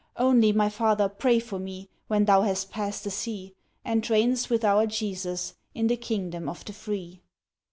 Only, my father, pray for me, When thou hast past the sea, And reignest with our Jesus, In the 'kingdom of the free.